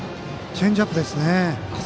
チェンジアップですね。